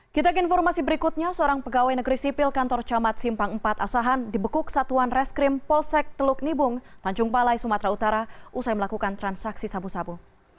kita ke informasi berikutnya seorang pegawai negeri sipil kantor camat simpang empat asahan dibekuk satuan reskrim polsek teluk nibung tanjung balai sumatera utara usai melakukan transaksi sabu sabu